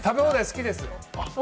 好きです。